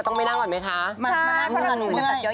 เชอรี่เร็วต้องไม่น่าก่อนไหมคะ